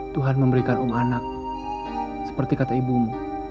tuhan memberikan om anak seperti kata ibumu